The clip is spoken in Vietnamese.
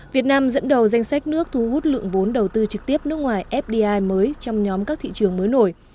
việt nam dẫn đầu danh sách nước thu hút lượng vốn đầu tư trực tiếp nước ngoài fdi mới trong nhóm các thị trường mới nổi